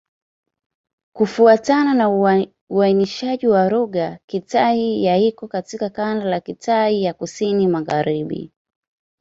Kufuatana na uainishaji wa lugha, Kitai-Ya iko katika kundi la Kitai ya Kusini-Magharibi.